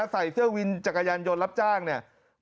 ใส่เสื้อวินจักรยานยนต์รับจ้างเนี่ย